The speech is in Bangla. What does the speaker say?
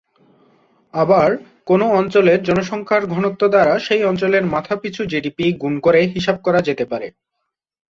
আবার কোনও অঞ্চলের জনসংখ্যার ঘনত্ব দ্বারা সেই অঞ্চলের মাথাপিছু জিডিপি গুণ করে হিসাব করা যেতে পারে।